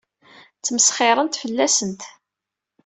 Ttmesxiṛent fell-asent.